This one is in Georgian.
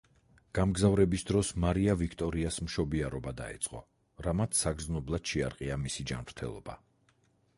გამგზავრების დროს მარია ვიქტორიას მშობიარობა დაეწყო, რამაც საგრძნობლად შეარყია მისი ჯანმრთელობა.